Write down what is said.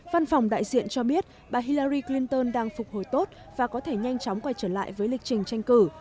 văn phòng đại diện cho biết bà hillari clinton đang phục hồi tốt và có thể nhanh chóng quay trở lại với lịch trình tranh cử